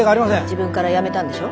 自分から辞めたんでしょ？